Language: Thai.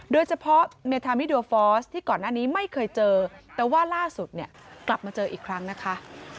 โดยเฉพาะเมธามิโดฟอร์สที่ก่อนหน้านี้ไม่เคยเจอแต่ว่าล่าสุดเนี่ยกลับมาเจออีกครั้งนะคะ